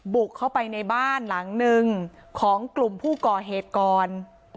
บุกเข้าไปในบ้านหลังนึงของกลุ่มผู้ก่อเหตุก่อน